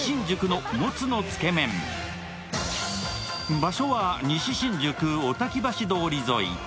場所は西新宿・小滝橋通り沿い。